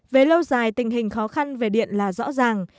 về lâu dài tình hình khó khăn về điện là rõ ràng